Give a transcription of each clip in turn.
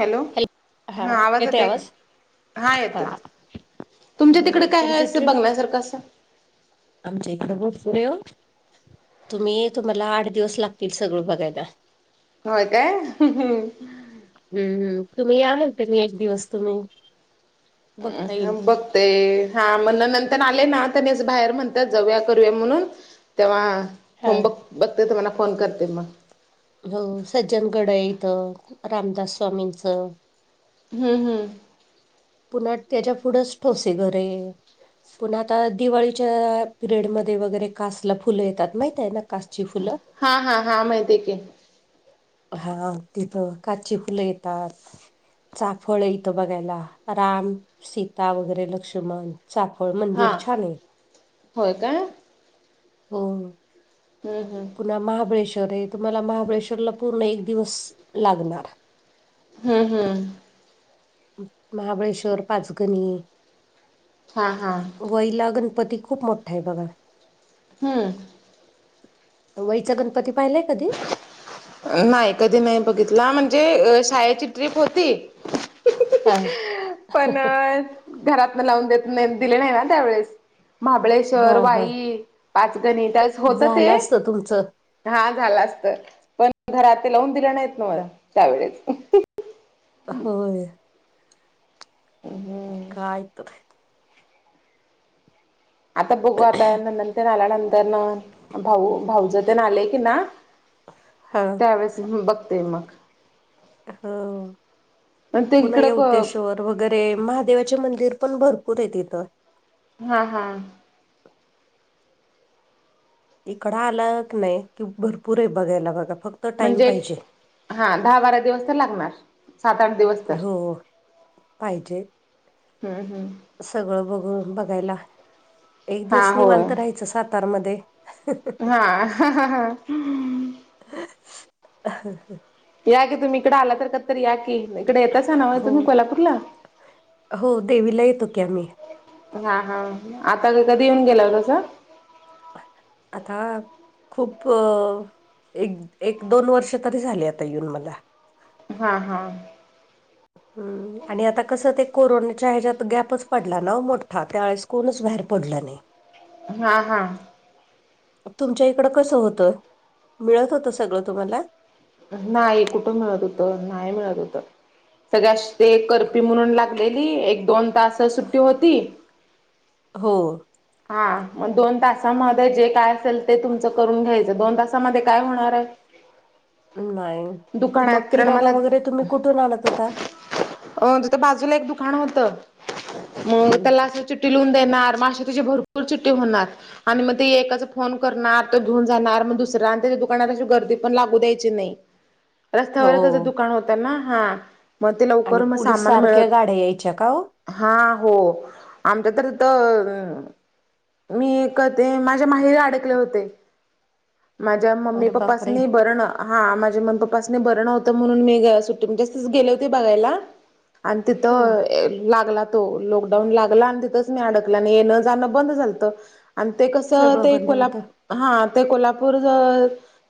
Hello [inaudible] हा आवाज येतोय का. हा [inaudible] येतोय तुमच्या तिकडे हम्म, काय आहे तुमची असं ट्रिप बघण्यासारखं असं. आमच्या इकडे. [unintelligible] तुम्ही तुम्हांला आठ दिवस लागतील सगळं बघायला. होय काय, हम्मम तुम्ही या एक दिवस तुम्ही. बघता ह येईल ब. ते हा म्हण नंतर आले ना त्यानेच बाहेर म्हणतात, जाऊया करूया म्हणून. तेव्हा हा फोम बघ बघते तुम्हाला फोन करते मग, हो सज्जनगड आहे इथं रामदास स्वामींचं हम्म हम्म. पुन्हा त्यांच्या पुढच ठोसे घरे. पण आता दिवाळीच्या पिरियडमध्ये वगैरे कासला फुलं येतात माहित आहे ना कासची फुलं हा हा हां माहिती आहे की. हा तिथं काची फुलं येतात. चाफळ येथं बघायला राम सीता वगैरे लक्ष्मण, चाफळ हा मंदिर छान आहे. होय काय [inaudible] हो, हम् हम्. पुन्हा महाबळेश्वर आहे तुम्हांला महाबळेश्वरला पूर्ण एक दिवस लागणार, हम्म हम्, महाबळेश्वर पाचगणी, हा हा. वहिला गणपती खूप मोठा आहे बघा. हम्म. [inaudible] वईचा गणपती पाहिलाय कधी. नाही कधी नाही बघितला म्हणजे शाळेची ट्रिप होती. हा [unintelligible] पण घरातन लावून देत नाही दिले नाही ना त्यावेेळेस. हा महाबळेश्वर हा वाई पाचगणी त्यावेळेस होतं ते, झालं असतं तुमचं हा झाला असतं पण घरातन लावून दिलं नाहीत ना मला त्यावेेळेस, होय, हम्, [inaudible] काय तर, आता बघू आता नणंद तेन आल्यानंतर न भाऊ भाऊज तेन आले की ना. हा, त्यावेळेस बघते मग, ह पण ते [inaudible] पुन इकडं येऊतेशवर, वगैरे महादेवाचे मंदिर पण भरपूर आहे इथं, हा हा, इकड आला क नाही कि भरपूर आहे बघायला बघा फक्त टाइम म्हणजे पाहिजे. हा दहा बारा दिवस तर लागणार सात आठ दिवस तर. हो [inaudible] पाहिजे, हम्म हम्म, सगळं बघ बघायला एक हा दिवस होय निवांत राहायचं सातारमध्ये, हा, [unintelligible] [unintelligible] या क तुम्ही इकडे आला तर कधी तर या की, इकडे येतायसा न्हव हो तुम्ही कोल्हापूरला हो देवीला येतो की आम्ही हा हा आता कधी येऊन गेला तसं आता खूप एक एक दोन वर्ष तरी झाली आता येऊन मला हा हा ह्म आणि आता कसं ते कोरोनाच्या ह्याच्यात गॅपच पडला ना मोठा त्यावेळेस कोणच बाहेर पडल नाही हा हा तुमच्या इकडं कसं होतंय मिळत होत सगळं तुम्हाला नाही कुठं मिळत होत नाही मिळत होत सगळ्या ते कर्फ्यू म्हणून लागलेली एक दोन तास सुट्टी होती हो हा मग दोन तासामध्ये जे काय असेल ते तुमचं करून घ्यायचं दोन तासामध्ये काय होणार आहे नाही त दुकानात मग किराणा मालात वगैरे तुम्ही कुठून आणत होता अ तिथ बाजूला एक दुकान होत मग हम्म त्याला अस च च्टी लिून देणार मग अशी तिची भरपूर चिट्टी होणार आणि मग ते एकाचा फोन करणार तो घेऊन जाणार मग दुसरा आणि त्याच्या दुकानात अशी गर्दी पण लागू द्यायची हो रस्त्यावर त्याच दुकान होत ना हा मग ते आणि लवकर मग पोलीस सामान सारख्या गाड्या यायच्या का हो? मिळत हा हो आमच्या तर इथ मी क ते माझ्या माहिरी अडकले होते माझ्या मम्मी अरे पप्पाास बापरे नी बर ना हा माझ्या मनप्पाासने बरंव्हतं म्हणून मी सुट्टी म्हजे तच गेले होते बघायला आणि हम्म तिथं लागला तो लॉकडाऊन लागला आणि तिथंच मी अडकला आणि येणं जाणं बंद झालत आणि ते कसं सगळं ते बंद होतं कोल्हापू हा ते कोल्हापूर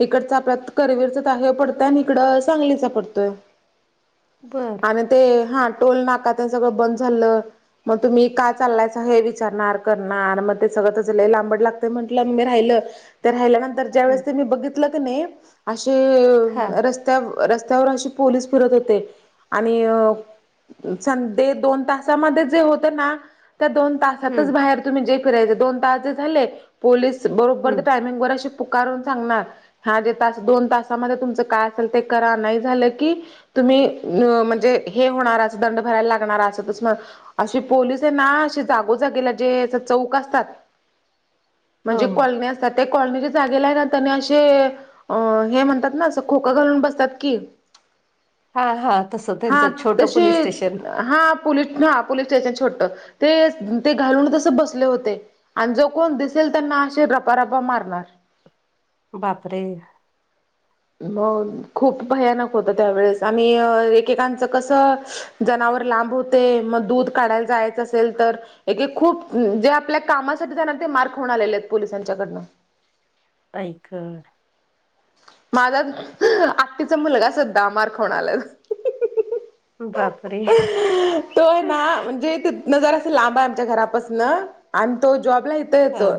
इकडच आपल्या करवीरच त हे पडतय आणि इकडं सांगलीच पडतोय बर आणि ते हा टोल नाका त्यां सगळं बंद झालं मग तुम्ही काय चाललायचं हे विचारणार करणार मग ते सगळं त लांबड लागत म्हटलं मी राहिलं त्या राहिल्यानंतर ज्या हम्म वेळेस ते मी बघितलं क नाही अशे हा रस्ते रस्त्यावर अशी पोलीस फिरत होते आणि संध दोन तासामध्ये जे होत ना त्या दोन तास ात हम्म बाहेर तुम्ही जे फिरायच दोन तास झाले पोलीस बरोबर हम्म टायमिंग बर श पुकारून सांगणार हा जे तास दोन तामध्ये तुमचं काय असेल ते करा नाही झालं की तुम्ही अ म्हणजे हे होणार असं दंड भरायला लागणार अस तस मग अशी पोलिस आहे ना, अशी जागोजागेला जे अशे चौक असतात. हो म्हणजे कॉलनी असतात त्या कॉलनीच्या जागेला आहे ना त्यानि असे- अ हे म्हणतात ना, असं खोकं घालून बसतात की. हा हा तसं हा त्यांचं छोटं तशी पोलीस स्टेशन हा. पुली हा पुलीस्टेशन छोट ते घालून तस बसले होते. आणि जो कोण दिसेल त्यांना असे रप रपा मारणार. बापरे! मग खूप भयानक होत त्यावेेळेस आम्ही एकेकांचं कसं- जनावर लांब होते मग दूध काढायला जायचं असेल तर- एके खूप जे आपल्या कामासाठी जाणार ते मार खाऊन आलेले आहेत पोलिसांच्याकडनं. ऐक माझा आत्ीचा मुलगा सधा मार खाऊन आलास. बापरे! तो आहे ना म्हणजे ते. न जरास लांब आहे आमच्या घरापासनं आणि तो जॉबला इथं हा येतो.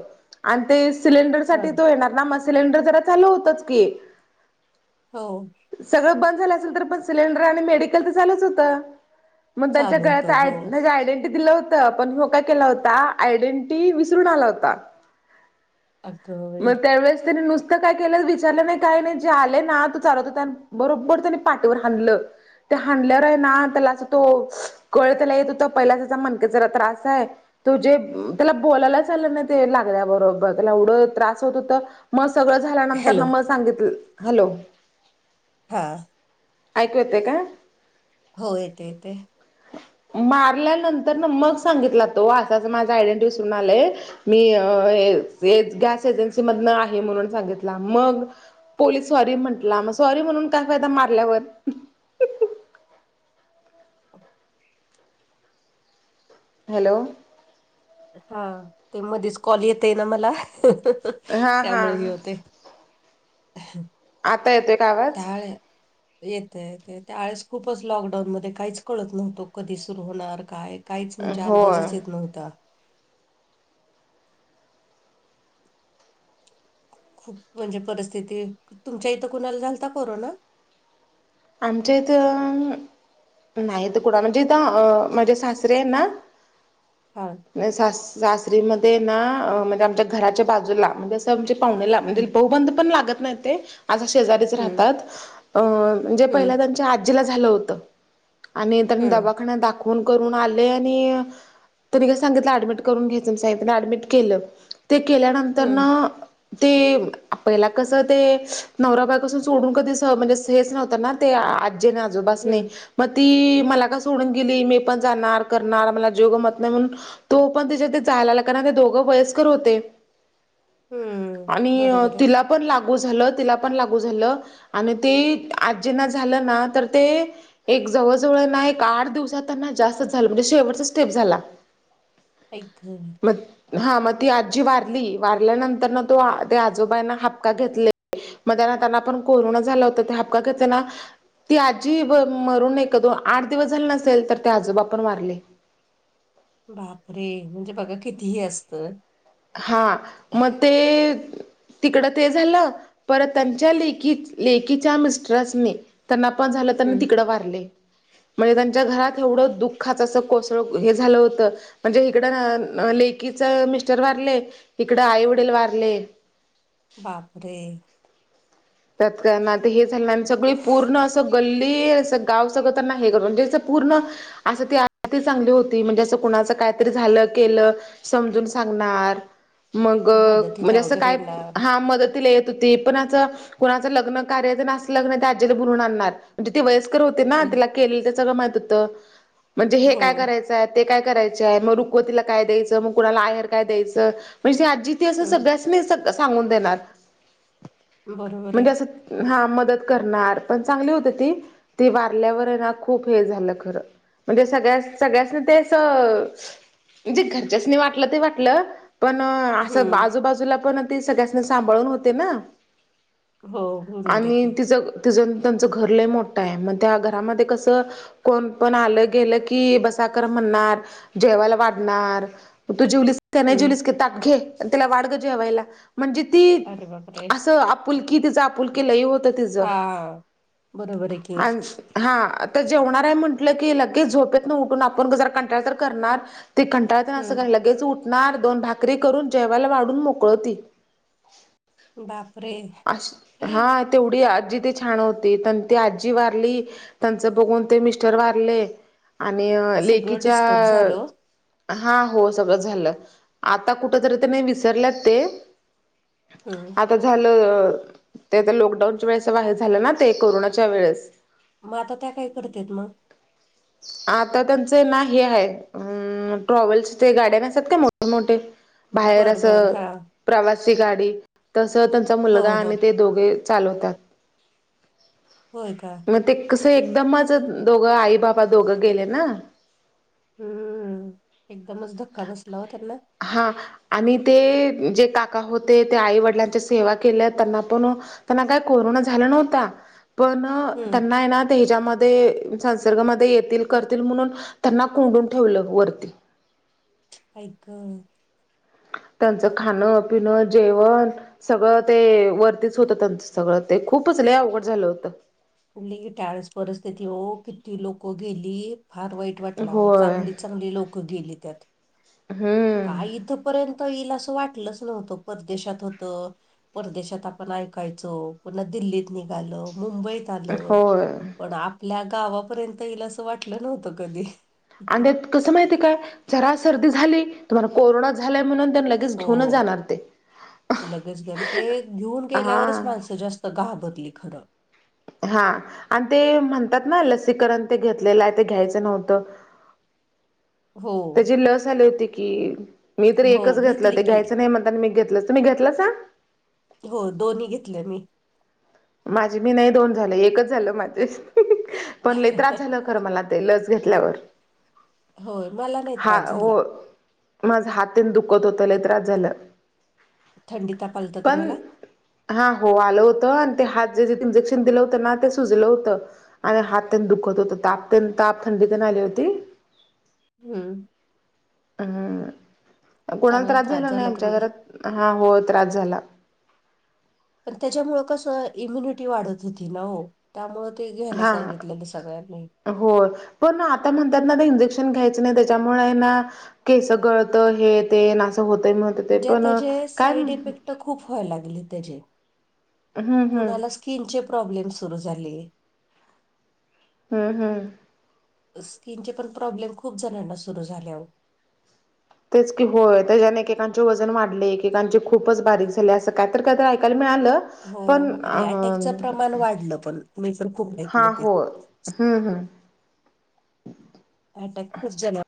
आणि ते सिलेंडर हा साठी तो येणार ना मग सिलेंडर जरा चालू होतच की हो. सगळं बंद झालं असेल, तर पण सिलेंडर आणि मेडिकल तर चालुच होतं. मग त्यांच्या चालू होतं हो गळ्यात आयडेंटिटी दिलं होत. पण ह्यो काय केला होता, आयडेंटिटी विसरून आला होता. अगं बाई मग त्यावेळेस त्यांनी नुस इ काय केलं विचारलं नाही काय नाही जे आले ना तो चालवत त्या बरोबर त्यानी पाठीवर हानल. ते हांणल्यावर आहे ना त्याला असं तो कळ त्याला येत होता पहिलाच त्याचा मणकयाचा जरा त्रास आहे. तो जे त्याला बोलायलाच आलं नाही ते लागल्या बरोबर त्याला एवढं त्रास होत होत. मग सगळं झाल्यानंतर ना हॅलो मग सांगितलं हॅलो! हां ऐकू येतं का हो येते येते. मारल्यानंतर ना मग सांगितला तो असा माझा आयडेंटीटी विसरून आले मी गॅस एजन्सी मधन आहे म्हणून सांगितला मग पोलीस सॉरी म्हटला मग, सॉरी म्हणून काय फायदा मारल्यावर हॅलो हा ते मधच कॉल येते ना मला हा हा त्यामुळे ह होते. ह आता येतोय का आवाज येतय ते त्यावेळेस खूपच लॉकडाऊन मध्ये काहीच कळत नव्हतो कधी सुरू होणार काय काहीच म्हणजे होय अंदाजच येत नव्हता खूप म्हणजे परिस्थिती, तुमच्या इथं कुणाला झालता कोरोना?. आमच्या इथं नाही तर कुणा म्हणजेथ अ माझे सासरे आहे ना हां सास सासरीमध्ये ना म्हणजे आमच्या घराच्या बाजूला म्हणजे णजे पाहणेला हम्म म्हणजे बहुबंद पण लागत नाही ते आझा शेजारीच हम्म राहतात अ म्हणजे पहिला हम्म त्यांच्या आजीला झालं होत आणि त्यांनी हम्म दवाखान्या दाखवून करून आले आणि तर नि का सांगितलं ऍडमिट करून घ्याच सा ऍडमिट केलं ते केल्यानंतर हम्म ना ते आपहिला कस ते नवरा बाय पासून सोडून कधी म्हणजे स हेच नव्हता ना ते आजी न आजोबासनी हम्म मग ती मला का सोडून गेली मी पण जाणार करणार मला जीव गमत नाही म्हणून तो पण त्याच्यात जायलाला का ना ते दोघं वयस्कर होते. हम्म आणि बरोबर आहे तिला पण लागू झालं तिला पण लागू झालं आणि त आजींना झालं ना तर ते एक जवळजवळना एक आठ दिवसातना जास्त झालं म्हणजे शेवटचा स्टेप झाला. एक मग हा मग ती आजी वारली वारल्यानंतर ना तो ते आजोबाांना हापका घेतले मग त्यांना आपण कोरोना झाला होता ते हका त्यांना ती आजी मरून नाही का तो आठ दिवस झाले नसेल तर ते आजोबापण वारले. बापरे म्हणजे बघा कितीही असतं. हां म ते तिकडं ते झालं पर त्यांच्या लेख लेकीच्या मिस्टरसने त्यांना पण झालं त्यांना हम्म तिकडं वारले. म्हणजे त्यांच्या घरात एवढं दुःखाचं असं कोसळ हे झालं होतं म्हणजे इकडं लेकीच मिस्टर वारले इकड आई वडील वारले बापरे. त्याण ते हे झालं आणि सगळी पूर्ण असं गल्ली अस गाव सगळं त्यांना हे करत म्हणजे पूर्ण असं ती अत चांगली होती म्हणजे असं कुणाच कायतरी झालं केलं समजून सांगणार मग म्हणजे मदतीला असं वगैरे काय येणार हा मदतीला येत होती पण आता कोणाचं लग्न कार्यचं लग्न ते आजे भरून आणणार म्हणजे ते हो हम्म, त के सगळं माह होत म्हणजे हे हो काय करायचंय ते काय करायचे आहे मग रुखवतीला काय द्यायचं मग कुणाला आहेर काय द्यायचं म्हणजे आजी असं हम्म, सगळ्यास मी सांगून देणार बरोबर आहे म्हणजे असं हा मदत करणार पण चांगली होते ती तेी वारल्यावर आहे ना खूप हे झालं खरं म्हणजे सगळ्या सगळ्यासनी ते अस जे घरच्याचनी वाटलं ते वाटलं पण असं हम्म आजूबाजूला पण ती सगळ्यासनी सांभाळून होते ना हो बरोबर आहे आणि की तिचं तिचं त्यांचं घर लय मोठं आहे मग त्या घरामध्ये कसं कोण पण आलं गेलं की बसाकर म्हणणार जेवायला वाढणार तो जेवली हम्म सनजुलीस त घे त्याला वाडगं जेवायला म्हणजे ती अरे बापरे! असं आपुलकी तिचं आपुलकी लई होत तिच हा बरोबर आहे की. आणि हा आता जेवणार आहे म्हटलं की लगेच झोपेत न उठून आपण जर कंटाळ तर करणार ते कं ळत असं हं. काय लगेच उठणार दोन भाकरी करून जेवायला वाढून मोकळती बापरे अ हा तेवढी आजी ते छान होती प ती आजी वारली त्यांच बघून ते मिस्टर वारले आणि सगळं लेकीच्या डिस्टर्ब झालं ओ. हा हो सगळं झालं आता कुठ तरी त्या नाही विसरलेत ते हा आता झालं ते आता लॉकडाऊनच्या वेळेस बार झालं ना ते कोरोनाच्या वेळेस मग आता त्या काही करते मग आता त्यांचं ना हे आहे ट्रॅव्हल्सचे गाड्यान असतात का मोठेमोठे बाहेर अस बरं बरं हा. प्रवासी गाडी तस त्यांचा हो मुलगा हो. आणि ते दोघे चालवतात होय काय मग ते कसं एकदम माझ दोघं आई बाबा दोघं गेले ना हम्म् एकदमच धक्का बसला हो त्यांना हा आणि ते जे काका होते ते आई वडिलांच्या सेवा केल्या त्यांना पण त्यांना काय कोरोना झालं नव्हता पण हं. त्यांना ना हच्यामध्ये संसर्गामध्ये ये करतील म्हणून त्यांना कोंडून ठेवलं वरती एक त्यांचं खाणं पिणं जेवण सगळं ते वरतीच होतं त्यांचं सगळं ते खूपच ल अवघड झालं होतं कुठली टळस परिस्थिती हो किती लोकं गेली फार वाईट वाटला होय चांगली चांगली लोकं गेली त्यात हम्म काय इथपर्यंत येईल असं वाटलंच नव्हतं परदेशात होतं परदेशात आपण ऐकायचो पुन्हा दिल्लीत निघाल मुंबईत ल होय पण आपल्या गावापर्यंत येईल असं वाटलं नव्हतं कधी अंध्यात कसं माहितीय काय जरा सर्दी झाली तुम्हाला कोरोना झालाय म्हणून त्यांना लगेच हो घेऊनच जाणार ते लगेच गण ते घेऊन हा गेल्यावरच माणसं जास्त सका बदली खरं हा आणि ते म्हणतात ना लसीकरण ते घेतलेलं आहे ते घ्यायचं नव्हतं हो, त्याची लस आली होती की, मी तरी हो एकच घेतलं घेतली ते, की. घ्यायचं नाही म्हणताना, मी घेतलं तर तूमी घेतलं सां. हो, दोन्ही घेतले मी. माझे मी नाही दोन झाले, एकच झालं माझे, पण लई त्रास झालं खर मला. ते लस घेतल्यावर, होय मला नाही हा त्रास झाला. हो. माझं हात तेन दुखत होता, लंय त्रास झाला. थंडी ताप आलता पण, तुम्हाला? हा हो, आलो होत ते हातात जे इंजेक्शन दिलं होतं ना, ते सुजलं होतं. आणि हात त्यांन दुखत होत, तापतेन, ताप थंडीत आली होती. हम्म. हम्म, कोणाला त्रास झाला नाही, आमच्या घरात. हा, हो, त्रास झाला. पण त्याच्यामुळ कसं, इम्युनिटी वाढत होती ना हो. त्यामुळ ते घ्यायला सांगितलेलं सगळ्यांनी. हो पण, आता म्हणतात ना, ते इंजेक्शन घ्यायचं नाही, त्याच्यामुळे ना, केस गळतं, हे ते न, असं होतंय म्ह म्हणजे त्याचे साईड इफेक्ट खूप व्हाय लागले, त्याचे, हम्म कणालाच स्किनचे प्रॉब्लेम सुरू झाले. हम्म हम्म. स्किनचे पण प्रॉब्लेम खूप जणांना सुरू झाले आओ. तेच की होय, त्याच्याने एकेकांचे वजन वाढले, एकेकांचे खूपच बारीक झाले, असं काहीतरी काहीतरी ऐकायला मिळालं. पण हो अ, आणि अटॅकचं प्रमाण वाढलं पण मी पण खूप ऐकलं हा, ते. होय. हम्म हम्म. अटॅक खूप जणा